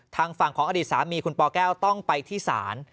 ทางฝั่งของอดีตสามีคุณปแก้วต้องไปที่ศาล